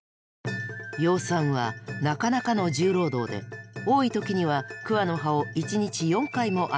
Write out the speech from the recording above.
養蚕はなかなかの重労働で多い時には桑の葉を一日４回も与えなくてはならないそう。